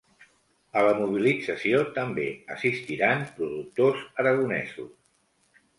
A la mobilització també assistiran productors aragonesos.